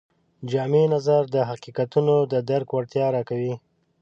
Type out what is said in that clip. جامع نظر د حقیقتونو د درک وړتیا راکوي.